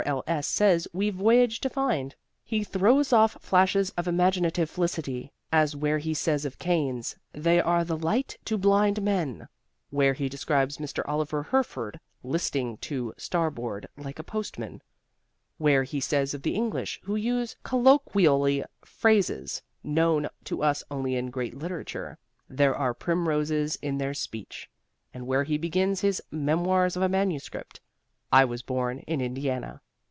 L.S. says we voyage to find. He throws off flashes of imaginative felicity as where he says of canes, "They are the light to blind men." Where he describes Mr. Oliver Herford "listing to starboard, like a postman." Where he says of the English who use colloquially phrases known to us only in great literature "There are primroses in their speech." And where he begins his "Memoirs of a Manuscript," "I was born in Indiana."